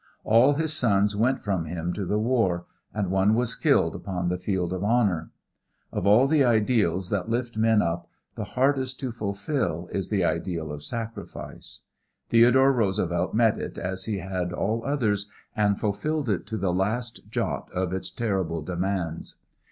All his sons went from him to the war, and one was killed upon the field of honor. Of all the ideals that lift men up, the hardest to fulfill is the ideal of sacrifice. Theodore Roosevelt met it as he had all others and fulfilled it to the last jot of its terrible demands.